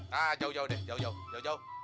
nah jauh jauh deh jauh jauh